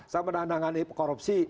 saya pernah menangani korupsi